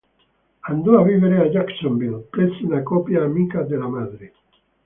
Andò a vivere a Jacksonville, presso una coppia, amica della madre.